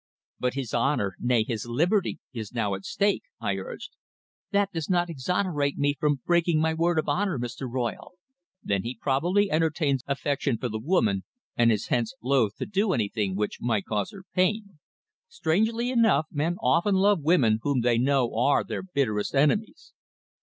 "But his honour nay, his liberty is now at stake," I urged. "That does not exonerate me from breaking my word of honour, Mr. Royle." "Then he probably entertains affection for the woman, and is hence loth to do anything which might cause her pain. Strangely enough, men often love women whom they know are their bitterest enemies."